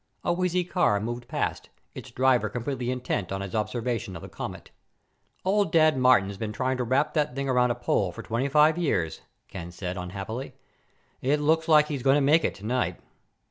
A wheezy car moved past, its driver completely intent on his observation of the comet. "Old Dad Martin's been trying to wrap that thing around a pole for 25 years," Ken said unhappily. "It looks like he's going to make it tonight!"